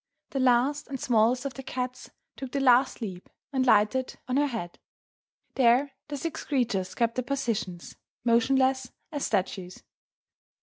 The last and smallest of the cats took the last leap, and lighted on her head! There the six creatures kept their positions, motionless as statues!